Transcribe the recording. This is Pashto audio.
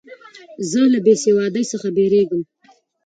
زه له بېسوادۍ څخه بېریږم.